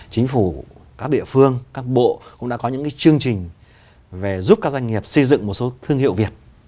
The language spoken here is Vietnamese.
chính phủ các địa phương các bộ cũng đã có những chương trình về giúp các doanh nghiệp xây dựng một số thương hiệu việt